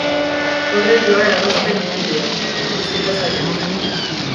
Horrek loa eragozten omen dio, bizipoza kentzen.